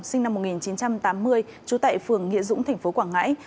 sinh năm một nghìn chín trăm tám mươi trú tại phường nghĩa dũng tp quảng ngãi